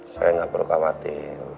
sayang gak perlu kamu hati